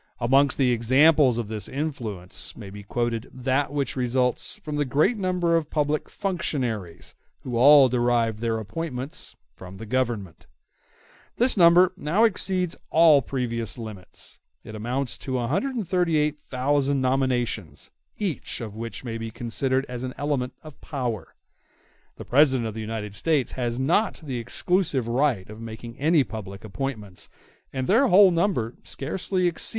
Amongst the examples of this influence may be quoted that which results from the great number of public functionaries, who all derive their appointments from the Government. This number now exceeds all previous limits; it amounts to 138,000 *s nominations, each of which may be considered as an element of power. The President of the United States has not the exclusive right of making any public appointments, and their whole number scarcely exceeds 12,000.